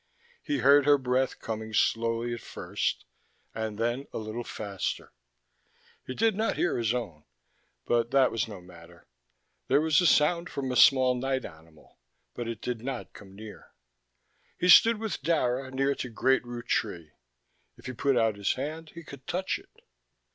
He heard her breath coming slowly at first, and then a little faster. He did not hear his own, but that was no matter. There was a sound from a small night animal, but it did not come near. He stood with Dara near to Great Root Tree: if he put out his hand, he could touch it.